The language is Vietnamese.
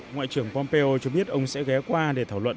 ngoại trưởng pompeo cho biết ông sẽ ghé qua để thảo luận